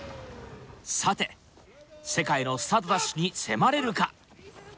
さて世界のスタートダッシュに迫れるか？